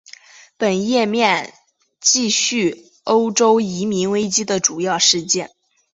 本页面记叙欧洲移民危机的主要事件。